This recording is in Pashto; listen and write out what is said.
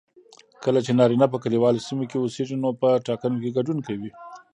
کله چې نارینه په کليوالو سیمو کې اوسیږي نو په ټاکنو کې ګډون کوي